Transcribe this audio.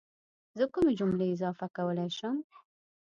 زه کومې جملې اضافه کولی شم؟